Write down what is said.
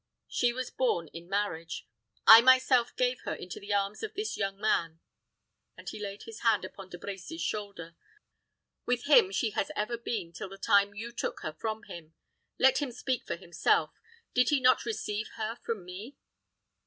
She was born in marriage. I myself gave her into the arms of this young man," and he laid his hand upon De Brecy's shoulder. "With him she has ever been till the time you took her from him. Let him speak for himself. Did he not receive her from me?"